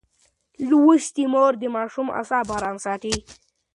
لوستې مور د ماشوم اعصاب ارام ساتي.